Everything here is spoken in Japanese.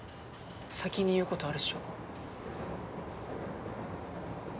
先に言うことあるっしょ